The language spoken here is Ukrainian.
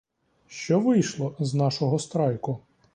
Що вийшло з нашого страйку?